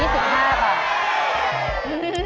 ๑๕บาท